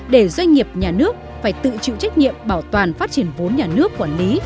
để doanh nghiệp nhà nước phải tự chịu trách nhiệm bảo toàn phát triển vốn nhà nước quản lý